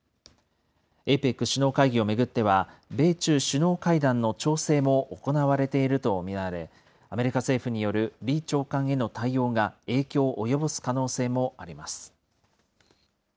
ＡＰＥＣ首脳会議を巡っては、米中首脳会談の調整も行われていると見られ、アメリカ政府による李長官への対応が影響を及ぼす可能性もありま